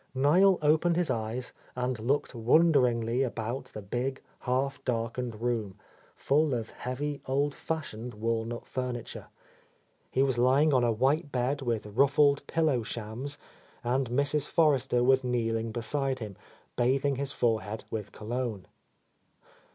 Niel opened his eyes and looked wonderingly about the big, half darkened room, full of heavy, —27— A host hady old fashioned walnut furniture. He was lying on a white bed with ruffled pillow shams, and Mrs. Forrester was kneeling beside him, bathing his forehead with cologne.